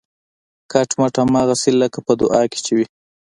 کټ مټ هماغسې لکه په دعا کې چې وي